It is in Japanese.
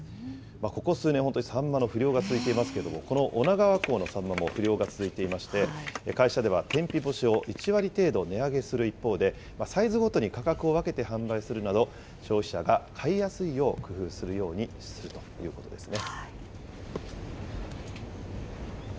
ここ数年、本当にサンマの不漁が続いていますけど、この女川港のサンマも不漁が続いていまして、会社では天日干しを１割程度値上げする一方で、サイズごとに価格を分けて販売するなど、消費者が買いやすいよう工夫するようにするということですね。